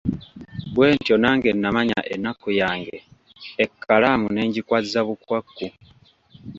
Bwentyo nange nnamanya ennaku yange, ekkalaamu ne ngikwazza bukwakku!